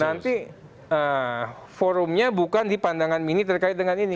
nanti forumnya bukan di pandangan mini terkait dengan ini